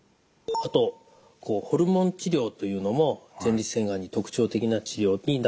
あとホルモン治療というのも前立腺がんに特徴的な治療になると思います。